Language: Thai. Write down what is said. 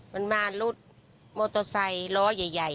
มันมารถมอเตอร์ไซค์ล้อใหญ่